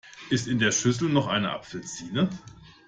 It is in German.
Ist in der Schüssel noch eine Apfelsine?